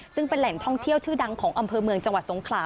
ซึ่งเป็นแหล่งท่องเที่ยวชื่อดังของอำเภอเมืองจังหวัดสงขลา